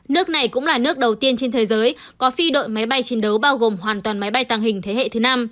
nước này cũng là nước đầu tiên trên thế giới có phi đội máy bay chiến đấu bao gồm hoàn toàn máy bay tàng hình thế hệ thứ năm